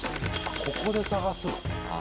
ここで探すの？